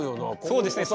そうですね